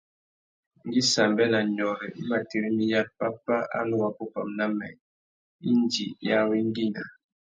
Ngüi Sambê na Nyôrê i mà tirimiya pápá a nù wapupamú na mê, indi i awengüina.